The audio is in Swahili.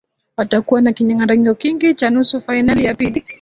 watakua na kinyanganyiro kingine cha nusu fainali ya pili